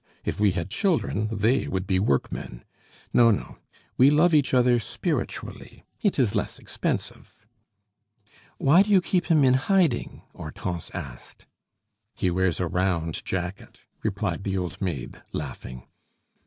If we had children, they would be workmen. No, no; we love each other spiritually; it is less expensive." "Why do you keep him in hiding?" Hortense asked. "He wears a round jacket," replied the old maid, laughing.